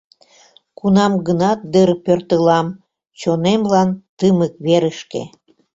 Кунам-гынат дыр пӧртылам Чонемлан тымык верышке.